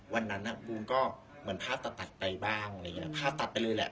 วันนั้นบูมก็เหมือนผ้าตัดตัดไปบ้างอะไรอย่างนี้ผ้าตัดไปเลยแหละ